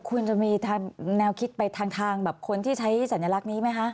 ควรจะมีแนวคิดไปทางแบบคนที่ใช้สัญลักษณ์นี้ไหมคะ